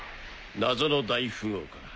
謎の大富豪か